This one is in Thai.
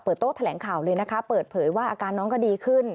โต๊ะแถลงข่าวเลยนะคะเปิดเผยว่าอาการน้องก็ดีขึ้น